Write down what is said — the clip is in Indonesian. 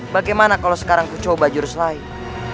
bagaimana kalau sekarang ku coba jurus lain